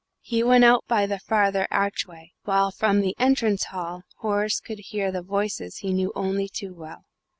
He went out by the farther archway, while from the entrance hall Horace could hear voices he knew only too well.